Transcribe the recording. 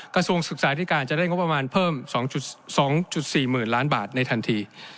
กระทรวงศึกษาธิการจะได้งบประมาณเพิ่ม๒๔๐๐๐ล้านบาทในทันที